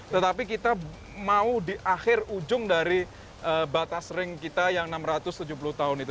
tetapi kita mau di akhir ujung dari batas ring kita yang enam ratus tujuh puluh tahun itu